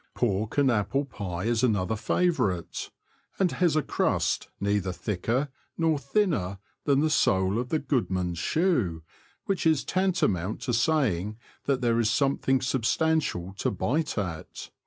Pork and apple pie is another favourite, and has a crust neither thicker nor thinner than the sole of the goodman's shoe, which is tantamount to saying that there is something substantial to bite at.